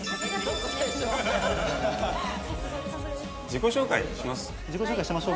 自己紹介します？